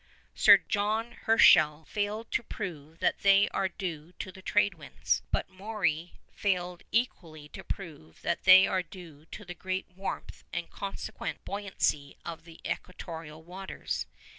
Sir John Herschel failed to prove that they are due to the trade winds, but Maury failed equally to prove that they are due to the great warmth and consequent buoyancy of the equatorial waters.